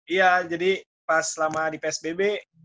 iya jadi pas selama di psbb